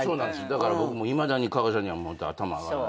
だから僕いまだに加賀さんには頭上がらない。